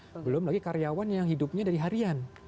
terus ini belum lagi karyawan yang hidupnya dari harian